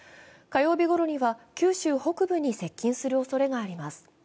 火曜日ごろには九州北部に接近するおそれがあります。